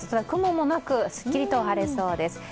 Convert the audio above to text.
雲もなくすっきりと晴れそうです。